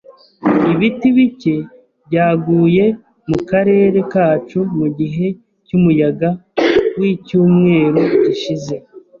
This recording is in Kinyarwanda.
Ibiti bike byaguye mukarere kacu mugihe cyumuyaga wicyumweru gishize.